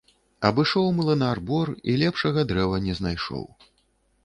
Абышоў млынар бор і лепшага дрэва не знайшоў.